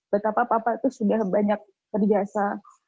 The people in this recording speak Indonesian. betapa papa itu sudah banyak terjasa